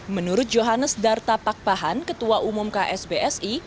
menurut johannes darta pakpahan ketua umum ksbsi